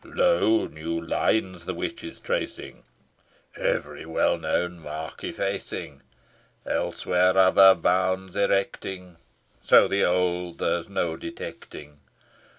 Lo! new lines the witch is tracing, Every well known mark effacing, Elsewhere, other bounds erecting, So the old there's no detecting.